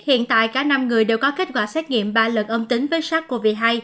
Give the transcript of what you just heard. hiện tại cả năm người đều có kết quả xét nghiệm ba lần âm tính với sars cov hai